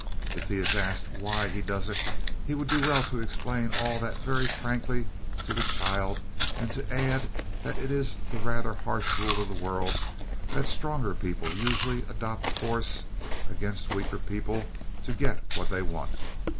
If he is asked why he does it he would do well to explain all that very frankly to the child and to add that it is the rather harsh rule of the world that stronger people usually adopt force against weaker people to get what they want.